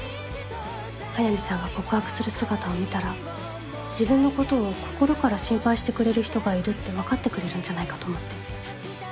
速水さんが告白する姿を見たら自分のことを心から心配してくれる人がいるって分かってくれるんじゃないかと思って。